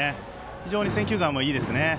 非常に選球眼もいいですね。